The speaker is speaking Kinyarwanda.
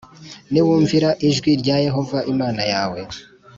“Niwumvira ijwi rya Yehova Imana yawe,